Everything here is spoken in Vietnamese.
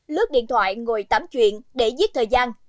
lướt điện thoại ngồi tắm chuyện để giết thời gian